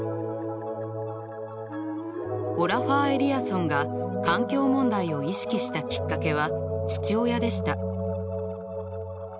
オラファー・エリアソンが環境問題を意識したきっかけは父親でした。